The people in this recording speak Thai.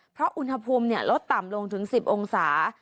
เพราะอุณหภูมิลดต่ำลงถึง๑๐องศา